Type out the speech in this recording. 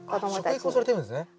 食育もされてるんですね。